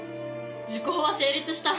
「時効は成立した。